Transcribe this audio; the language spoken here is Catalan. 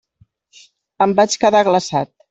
Em vaig quedar glaçat.